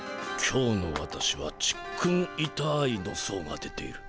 今日の私はちっくんいたーいの相が出ている。